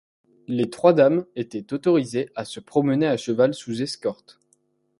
Les trois dames étaient autorisées à se promener à cheval sous escorte.